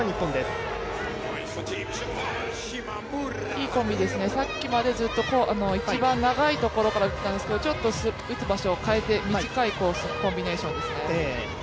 いいコンビですね、さっきまで一番長いところから打ってたんですけれども、打つ場所を変えて、短いコンビネーションですね。